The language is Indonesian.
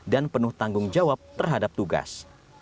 dan penuh tanggung jawab terhadap tugas